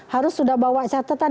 harus sudah bawa catetan